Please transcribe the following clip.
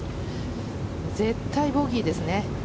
絶対にボギーですね。